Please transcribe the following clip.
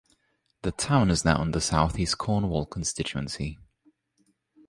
The town is now in the South East Cornwall constituency.